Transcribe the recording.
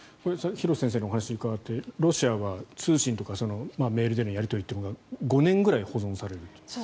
廣瀬先生のお話を伺ってロシアは通信とかメールでのやり取りが５年ぐらい保存されると。